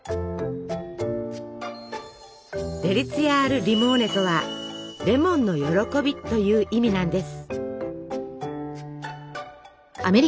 デリツィアアルリモーネとは「レモンの歓び」という意味なんです。